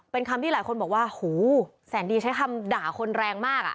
เป็นคำที่หลายคนบอกว่าโหแสนดีใช้คำด่าคนแรงมากอ่ะ